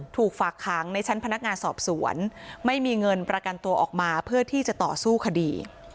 ฝากขังในชั้นพนักงานสอบสวนไม่มีเงินประกันตัวออกมาเพื่อที่จะต่อสู้คดี